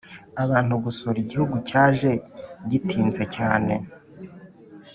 abantu gusura igihugu cyaje gitinze cyane.